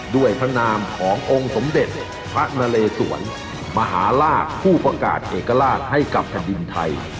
ด้วยพระนามขององค์สมเด็จพระนเลสวนมหาลาศผู้ประกาศเอกราชให้กับแผ่นดินไทย